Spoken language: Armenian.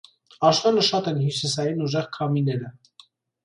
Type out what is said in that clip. Աշնանը շատ են հյուսիսային ուժեղ քամիները։